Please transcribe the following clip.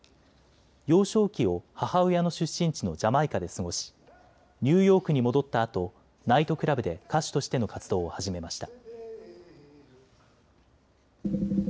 幼少期を母親の出身地のジャマイカで過ごしニューヨークに戻ったあとナイトクラブで歌手としての活動を始めました。